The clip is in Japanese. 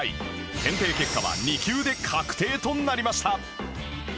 検定結果は２級で確定となりました